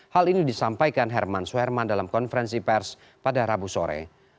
hal ini disampaikan herman suherman dalam konferensi pers pada rabu sore